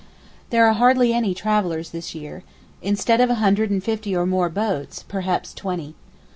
There are hardly any travellers this year, instead of a hundred and fifty or more boats, perhaps twenty.